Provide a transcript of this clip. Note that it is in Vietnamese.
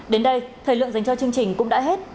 đến đây thời lượng dành cho chương trình cũng đã hết